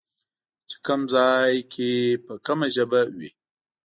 چې کوم ځای کې به کومه ژبه وي